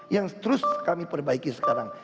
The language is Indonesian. yang terus kami perbaiki sekarang